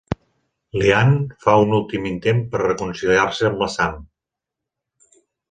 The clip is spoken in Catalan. L'Ian fa un últim intent per reconciliar-se amb la Sam.